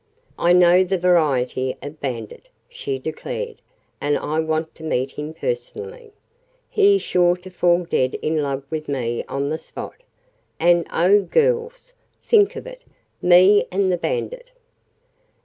"I know the variety of bandit," she declared, "and I want to meet him personally. He is sure to fall dead in love with me on the spot. And, oh, girls! Think of it! Me and the bandit!"